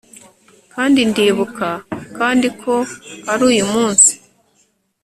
kandi ndibuka kandi ko ari uyu munsi